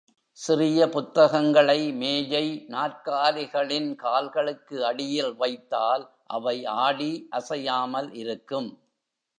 சிறிய புத்தகங்களை மேஜை, நாற்காலிகளின் கால்களுக்கு அடியில் வைத்தால் அவை ஆடி அசையாமல் இருக்கும்.